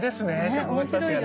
植物たちがね。